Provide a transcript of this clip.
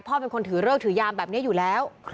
พ่อเป็นคนถือเลิกถือยามแบบนี้อยู่แล้ว